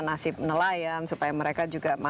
nasib nelayan supaya mereka juga